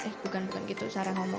eh bukan bukan gitu cara ngomong